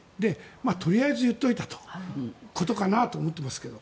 とりあえず言っておいたことかなと思っていますけど。